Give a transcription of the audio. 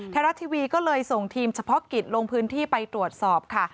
ไทยรัฐทีวีก็เลยส่งทีมเฉพาะกิจลงพื้นที่ไปตรวจสอบค่ะ